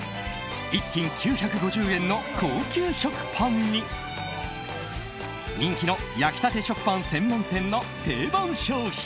１斤９５０円の高級食パンに人気の焼きたて食パン専門店の定番商品。